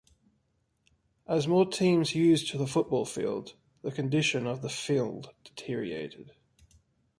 As more teams used the football field, the condition of the field deteriorated.